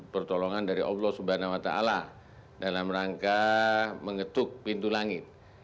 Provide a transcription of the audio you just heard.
pertolongan dari allah swt dalam rangka mengetuk pintu langit